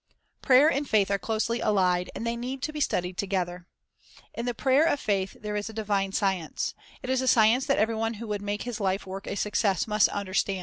' Prayer and faith are closely allied, and they need to be studied together. In the prayer of faith there is a divine science; it is a science that every one who would make his life work a success must understand.